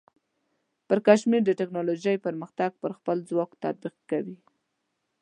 پرکمشر د ټیکنالوجۍ پرمختګ پر خپل ځواک تطبیق کوي.